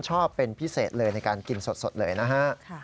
ชอบเป็นพิเศษเลยในการกินสดเลยนะฮะ